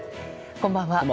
こんばんは。